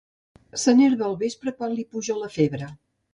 S'enerva al vespre, quan li puja la febre.